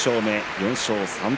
４勝３敗。